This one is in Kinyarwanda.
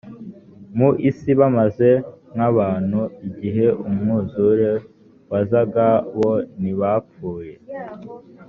mu isi bameze nk abantu igihe umwuzure wazaga bo ntibapfuye